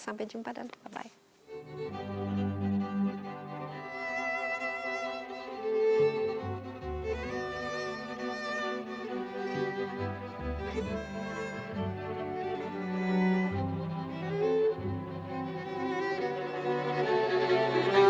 sampai jumpa dan bye bye